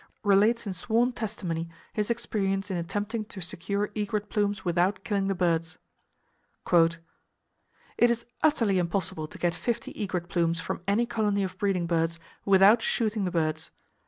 relates in sworn testimony his experience in attempting to secure egret plumes without killing the birds: "It is utterly impossible to get fifty egret plumes from any colony of breeding birds without shooting the birds.